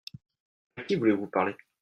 À qui voulez-vous parler ?